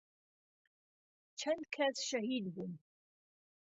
چەند کەس شەهید بوون